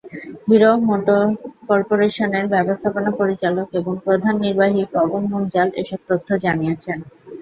Hero মোটোকরপোরেশনের ব্যবস্থাপনা পরিচালক এবং প্রধান নির্বাহী পবন মুনজাল এসব তথ্য জানিয়েছেন।